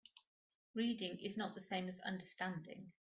Reading is not the same as understanding.